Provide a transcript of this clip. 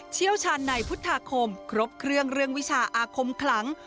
เชี่ยวชาญในพุทธาคมครบเครื่องเรื่องวิชาอาคมคลัง